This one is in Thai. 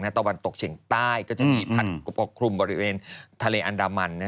ตะวันตกเฉียงใต้ก็จะมีพัดปกคลุมบริเวณทะเลอันดามัน